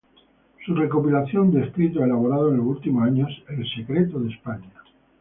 Su recopilación de escritos, elaborados en los últimos años, "El secreto de España.